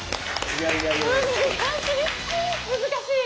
難しい！